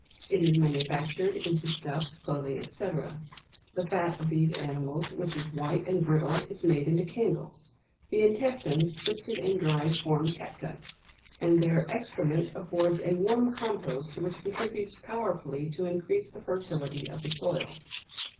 It is manufactured into stuffs, cloth, &c. The fat of these animals, which is white and brittle, is made into candles ; the intestines twisted and dried, form cat gut ; and their excrement affords a warm compost which con tributes powerfully to increase the fertility of the soil.